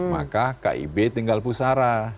maka kib tinggal pusara